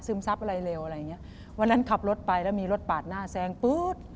ซับอะไรเร็วอะไรอย่างเงี้ยวันนั้นขับรถไปแล้วมีรถปาดหน้าแซงปื๊ด